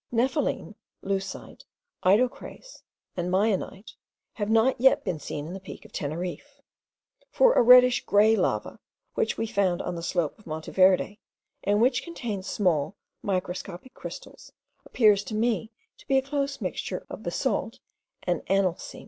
Nepheline, leucite, idocrase, and meionite have not yet been seen at the peak of Teneriffe; for a reddish grey lava, which we found on the slope of Monte Verde, and which contains small microscopic crystals, appears to me to be a close mixture of basalt and analcime.